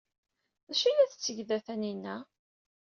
D acu ay la tetteg da Taninna?